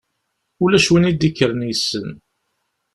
Ulac win i d-ikkren yessen.